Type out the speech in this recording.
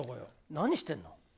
何してんの？